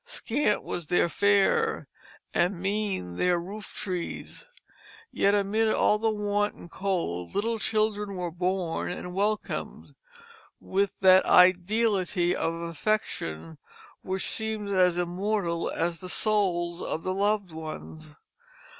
Scant was their fare, and mean their roof trees; yet amid all the want and cold little children were born and welcomed with that ideality of affection which seems as immortal as the souls of the loved ones.